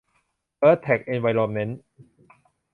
เอิร์ธ เท็ค เอนไวรอนเมนท์